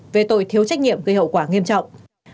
về tội thiếu trách nhiệm gây hậu quả nghiêm trọng